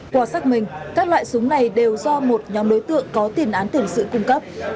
qua xác minh các loại súng này đều do một nhóm đối tượng có tiền án tiền sự cung cấp